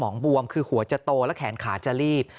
น้องพร้อมกันครับ